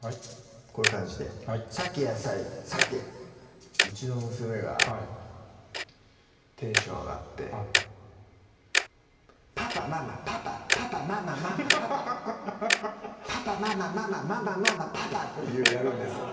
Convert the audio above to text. こういう感じでさけ・野菜・さけうちの娘がテンション上がって「パパ・ママ・パパパパ・ママ・ママ・パパ」「パパ・ママ・ママ・ママ・ママ・パパ」ってやるんですよ